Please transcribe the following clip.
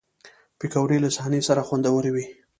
پکورې له صحنه سره خوندورې وي